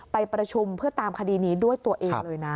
ไปประชุมเพื่อตามคดีนี้ด้วยตัวเองเลยนะ